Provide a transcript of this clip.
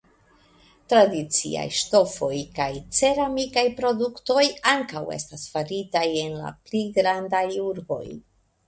Tradiciaj ŝtofoj kaj ceramikaj produktoj ankaŭ estas faritaj en la pli grandaj urboj.